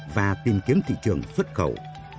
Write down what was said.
và tìm kiếm thị trường xuất khẩu